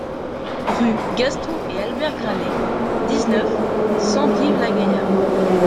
Rue Gaston et Albert Granet, dix-neuf, cent Brive-la-Gaillarde